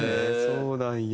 そうなんや。